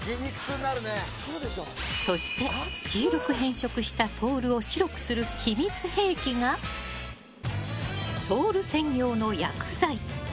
そして、黄色く変色したソールを白くする秘密兵器がソール専用の薬剤。